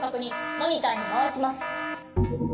モニターにまわします。